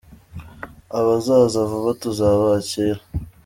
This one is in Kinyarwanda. Abazaza vuba tuzabakira.